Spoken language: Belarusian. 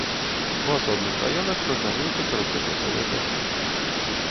У асобных раёнах прагназуюцца кароткачасовыя дажджы.